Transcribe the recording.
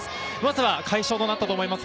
まずは快勝となったと思います。